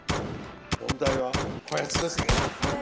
問題はこやつですね。